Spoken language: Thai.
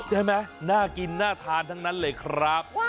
น่ากินน่าทานทั้งนั้นเลยครับ